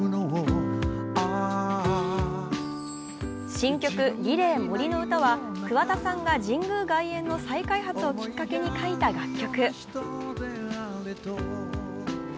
新曲「Ｒｅｌａｙ杜の詩」は桑田さんが神宮外苑の再開発をきっかけに書いた楽曲。